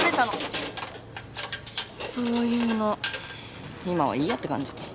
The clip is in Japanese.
そういうの今はいいやって感じ。